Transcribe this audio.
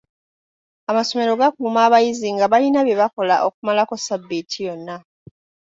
Amassomero gakuuma abayizi nga balina bye bakola okumalako ssabbiiti yonna.